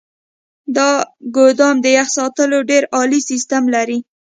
دا ګودام د يخ ساتلو ډیر عالي سیستم لري.